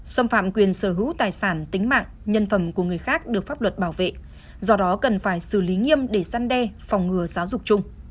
xâm phạm quyền sở hữu tài sản tính mạng nhân phẩm của người khác được pháp luật bảo vệ do đó cần phải xử lý nghiêm để săn đe phòng ngừa giáo dục chung